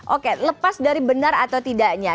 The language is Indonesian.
oke lepas dari benar atau tidaknya